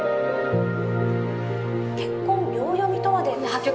結婚秒読みとまで。